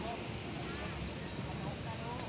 สวัสดีครับทุกคน